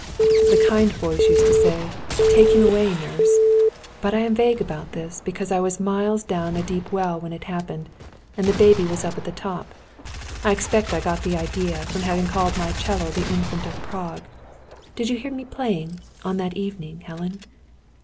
"The kind voice used to say: 'Take him away, Nurse'; but I am vague about this; because I was miles down a deep well when it happened, and the baby was up at the top. I expect I got the idea from having called my 'cello the Infant of Prague. Did you hear me playing, on that evening, Helen?"